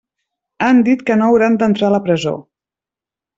Han dit que no hauran d'entrar a la presó.